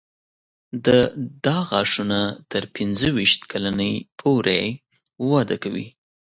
دا غاښونه تر پنځه ویشت کلنۍ پورې وده کوي.